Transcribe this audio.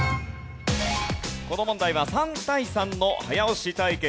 この問題は３対３の早押し対決です。